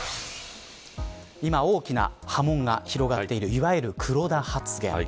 今、大きな波紋が広がっているいわゆる黒田発言。